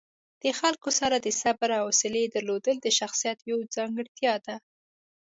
د خلکو سره د صبر او حوصلې درلودل د شخصیت یوه ځانګړتیا ده.